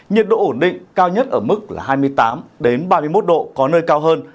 nhiệt độ ổn định cao nhất ở mức hai mươi tám ba mươi một độ có nơi cao hơn